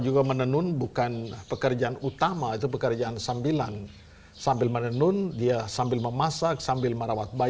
demi mengikuti permintaan pasar